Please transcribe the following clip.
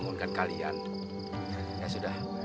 sudah pak soalnya ini sembuh